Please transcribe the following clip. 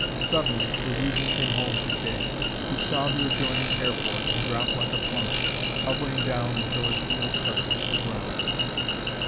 Suddenly the reason came home to Kay. He saw the adjoining airport, and dropped like a plummet, hovering down until his wheels touched the ground.